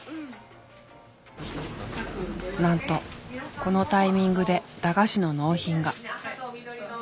なんとこのタイミングで駄菓子の納品が。